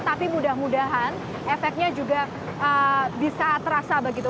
tapi mudah mudahan efeknya juga bisa terasa begitu